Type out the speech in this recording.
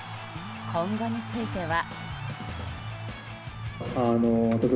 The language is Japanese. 今後については。